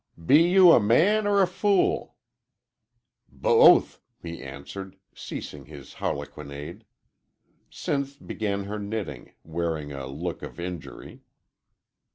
"Be you a man 'or a fool?" "Both;" he answered, ceasing his harlequinade. Sinth began her knitting, wearing, a look of injury.